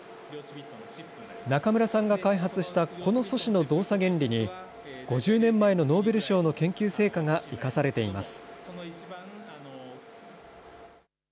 中村さんが開発したこの素子の動作原理に、５０年前のノーベル賞の研究成果が生かされています。